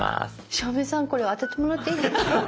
照明さんこれ当ててもらっていいですか？